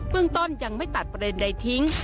ต้นยังไม่ตัดประเด็นใดทิ้ง